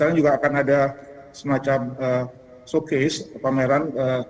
sekarang juga akan ada semacam showcase pameran